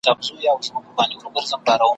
نه محتاج یو د انسان نه غلامان یو `